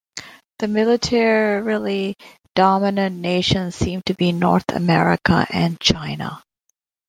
The militarily dominant nations seem to be North America and China.